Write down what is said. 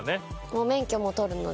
もう免許も取るので。